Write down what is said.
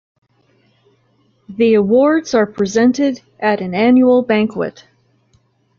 The awards are presented at an annual banquet.